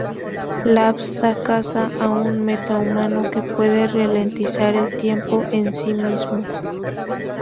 Labs da caza a un meta-humano que puede ralentizar el tiempo en sí mismo.